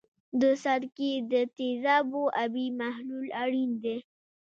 د سرکې د تیزابو آبي محلول اړین دی.